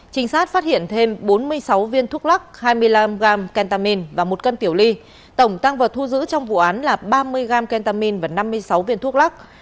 trinh sát phát hiện thêm bốn mươi sáu viên thuốc lắc hai mươi năm g kentamin và một cân tiểu ly tổng tăng vật thu giữ trong vụ án là ba mươi gram kentamin và năm mươi sáu viên thuốc lắc